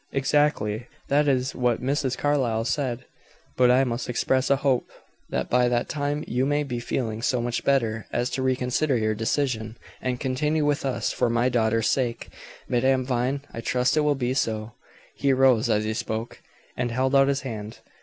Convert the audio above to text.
"Exactly. That is what Mrs. Carlyle said. But I must express a hope that by that time you may be feeling so much better as to reconsider your decision and continue with us. For my daughter's sake, Madame Vine, I trust it will be so." He rose as he spoke, and held out his hand.